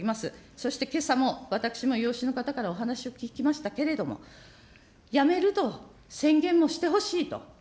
そしてけさも、私も養子の方からお話を聞きましたけれども、やめると宣言もしてほしいと。